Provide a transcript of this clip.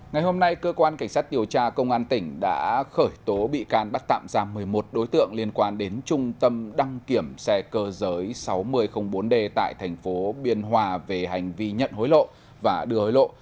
ngày hôm nay cơ quan cảnh sát điều tra công an tỉnh đã khởi tố bị can bắt tạm giam một mươi một đối tượng liên quan đến trung tâm đăng kiểm xe cơ giới sáu nghìn bốn d tại thành phố biên hòa về hành vi nhận hối lộ và đưa hối lộ